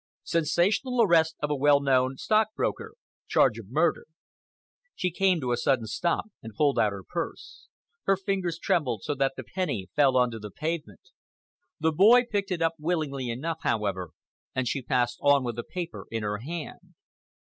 SENSATIONAL ARREST OF A WELL KNOWN STOCKBROKER. CHARGE OF MURDER. She came to a sudden stop and pulled out her purse. Her fingers trembled so that the penny fell on to the pavement. The boy picked it up willingly enough, however, and she passed on with the paper in her hand.